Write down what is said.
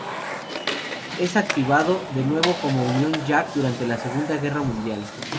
Es activado de nuevo como Union Jack durante la Segunda Guerra Mundial.